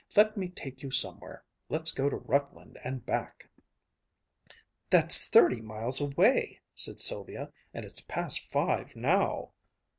Let me take you somewhere let's go to Rutland and back." "That's thirty miles away!" said Sylvia, "and it's past five now."